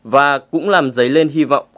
và cũng làm dấy lên hy vọng